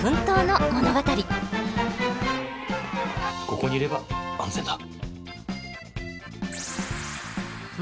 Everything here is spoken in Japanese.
ここにいれば安全だ。